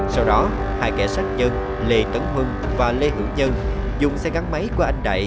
sau đó hai kẻ sát nhân lê tấn hưng và lê hữu nhân dùng xe gắn máy của anh đại